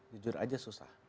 jujur aja susah